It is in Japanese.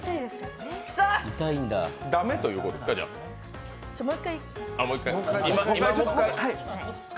だめということですか？